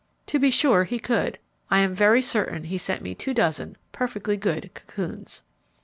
To be sure he could. I am very certain he sent me two dozen 'perfectly good' cocoons.